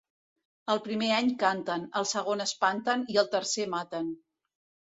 El primer any canten, el segon espanten i el tercer maten.